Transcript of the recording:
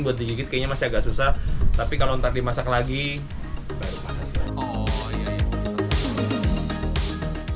buat digigit kayaknya masih agak susah tapi kalau nanti dimasak lagi baru panas lagi